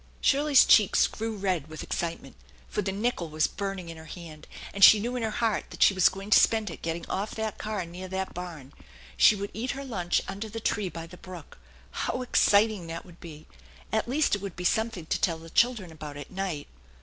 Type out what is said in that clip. Shirley's cheeks grew red with excitement, for the nickel was burning in her hand, and she knew in her heart that she was going to spend it getting off that car near that barn. She would eat her lunch under the tree by the brook! How exciting that would be! At least it would be something to tell the children about at night!